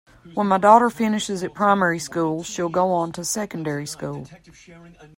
When my daughter finishes at primary school, she'll go on to secondary school